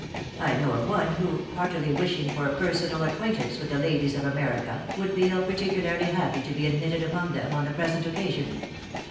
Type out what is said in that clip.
I know of one who, heartily wishing for a personal acquaintance with the ladies of America, would feel particularly happy to be admitted among them on the present occasion.